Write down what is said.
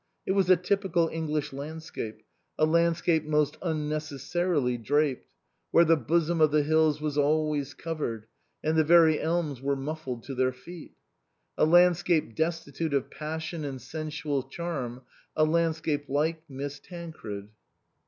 It was a typical English landscape, a landscape most unnecessarily draped, where the bosom of the hills was always covered, and the very elms were muffled to their feet. A landscape destitute of passion and sensual charm, a landscape like Miss Tancred.